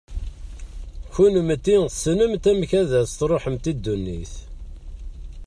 Kennemti tessnemt amek ad as-tṛuḥemt i ddunit.